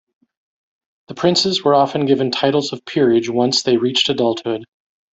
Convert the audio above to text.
The princes were often given titles of peerage once they reached adulthood.